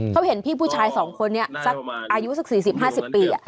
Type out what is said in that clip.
เค้าเห็นพี่ผู้ชายสองคนนี้อายุสัก๔๐๕๐ปี